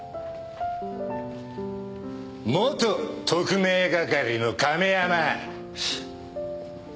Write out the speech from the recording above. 「元」特命係の亀山。